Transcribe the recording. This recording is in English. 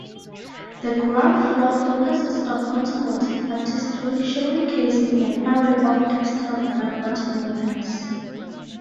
The ground floor focuses on automotive artistry, showcasing an array of extravagant automobiles.